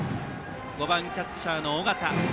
５番、キャッチャーの尾形。